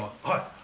はい。